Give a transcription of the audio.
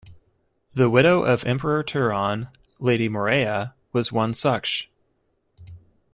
The widow of Emperor Turhan, Lady Morella, was one such.